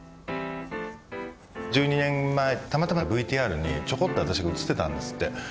１２年前たまたまＶＴＲにちょこっと私が映ってたんですって。